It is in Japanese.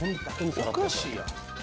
おかしいやん。